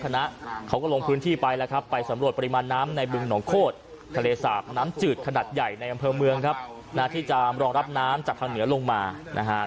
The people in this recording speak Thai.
น้ำจืดขนาดใหญ่ในอำเพิ่มเมืองครับนาทิจำรองรับน้ำจากทางเหนือลงมานะฮะ